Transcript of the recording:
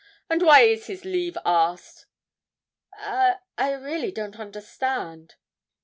and why is his leave asked?' 'I I really don't understand.'